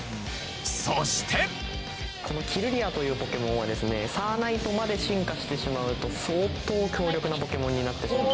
そしてこのキルリアというポケモンはサーナイトまで進化してしまうと相当強力なポケモンになってしまう。